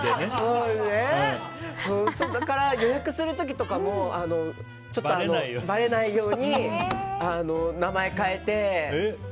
だから予約する時とかもばれないように名前変えて。